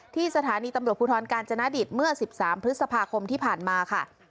ที่สถานีตำรวจภูทรกาญจนดิตเมื่อ๑๓พฤษภาคมที่ผ่านมาค่ะ